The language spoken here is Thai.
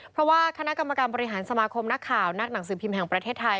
เพราะว่าคณะกรรมการบริหารสมาคมนักข่าวนักหนังสือพิมพ์แห่งประเทศไทย